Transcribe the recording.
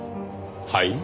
はい？